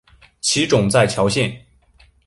其冢在谯县。